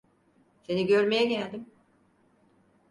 Seni görmeye geldim.